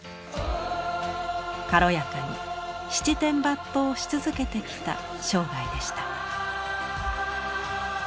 軽やかに七転八倒し続けてきた生涯でした。